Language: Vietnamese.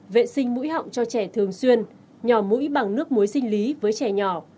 vệ sinh mũi họng cho trẻ thường xuyên nhò mũi bằng nước muối sinh lý với trẻ nhỏ